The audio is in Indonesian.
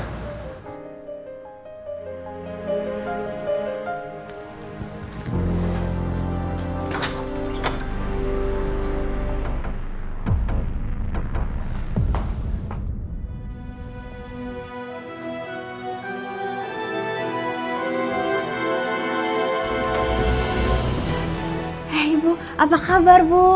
hei bu apa kabar bu